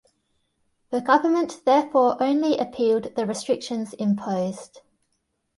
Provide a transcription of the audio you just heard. The government therefore only appealed the restrictions imposed.